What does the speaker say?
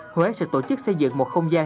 huế sẽ tổ chức xây dựng một không gian